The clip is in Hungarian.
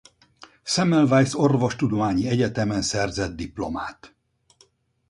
Semmelweis Orvostudományi Egyetemen szerzett diplomát.